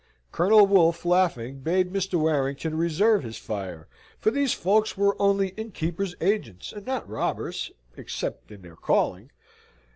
Colonel Wolfe, laughing, bade Mr. Warrington reserve his fire, for these folks were only innkeepers' agents, and not robbers (except in their calling).